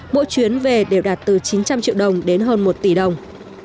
mỗi chuyến về đều đạt từ chín trăm linh triệu đồng đến hơn một tỷ đồng